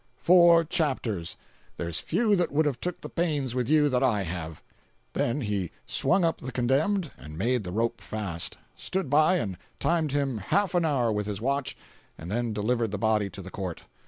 Four chapters. There's few that would have took the pains with you that I have." Then he swung up the condemned, and made the rope fast; stood by and timed him half an hour with his watch, and then delivered the body to the court.